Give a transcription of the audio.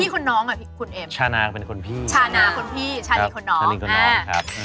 คนไหนคุณพี่คนน้องอะคุณเอ็ม